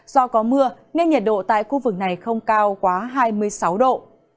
do có mưa nên nhiệt độ tại khu vực này không cao quá hai mươi sáu độ